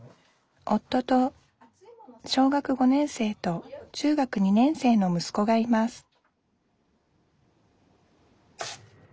夫と小学５年生と中学２年生のむすこがいます